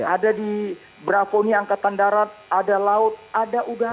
ada di bravoni angkatan darat ada laut ada udara